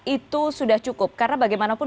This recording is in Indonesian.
itu sudah cukup karena bagaimanapun